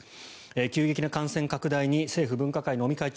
急激な感染拡大に政府分科会の尾身会長